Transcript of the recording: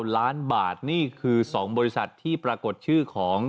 ล้านบาทนี่คือ๒บริษัทที่ปรากฏชื่อของ